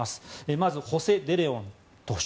まずホセ・デレオン投手。